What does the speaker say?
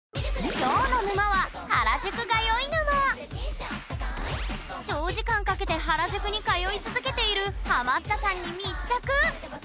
きょうの沼は長時間かけて原宿に通い続けているハマったさんに密着！